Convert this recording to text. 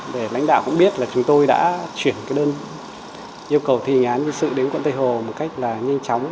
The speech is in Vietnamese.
để lãnh đạo cũng biết là chúng tôi đã chuyển đơn yêu cầu thi hành án dân sự đến quận tây hồ một cách là nhanh chóng